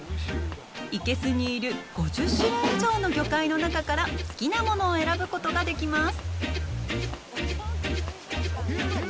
生けすにいる５０種類以上の魚介の中から好きなものを選ぶことができます。